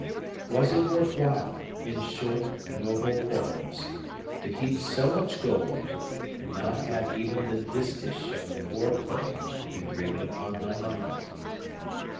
Was it worth while, in short, noble Porthos, to heap so much gold, and not have even the distich of a poor poet engraven upon thy monument?